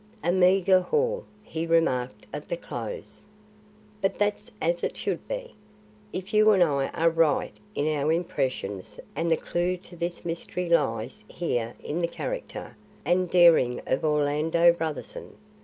"A meagre haul," he remarked at the close. "But that's as it should be, if you and I are right in our impressions and the clew to this mystery lies here in the character and daring of Orlando Brotherson.